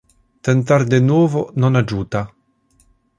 Tentar de novo non adjuta.